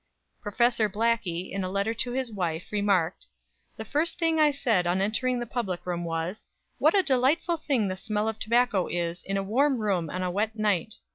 Professor Blackie, in a letter to his wife, remarked: "The first thing I said on entering the public room was 'What a delightful thing the smell of tobacco is, in a warm room on a wet night!'